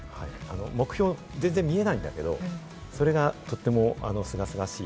目標、全然見えないんだけど、それがとてもすがすがしい。